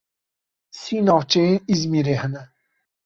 Sî navçeyên Îzmîrê hene.